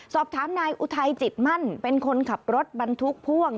สอบถามนายอุทัยจิตมั่นเป็นคนขับรถบรรทุกพ่วง